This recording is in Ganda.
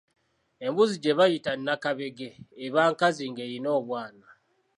Embuzi gye bayita nakabege eba nkazi ng’erina obwana.